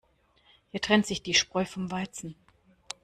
Hier trennt sich die Spreu vom Weizen.